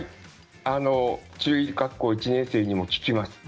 中学校１年生にも効きます。